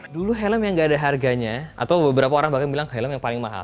dulu helm yang gak ada harganya atau beberapa orang bahkan bilang ke helm yang paling mahal